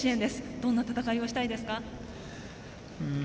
どんな戦いをしたいですか？